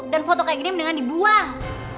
dan foto kayak gini mendingan dibuang